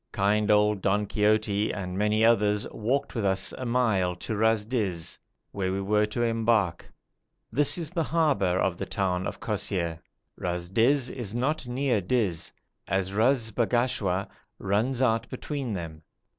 Kind old Don Quixote and many others walked with us a mile to Ras Dis, where we were to embark; this is the harbour of the town of Kosseir. Ras Dis is not near Dis, as Ras Bagashwa runs out between them.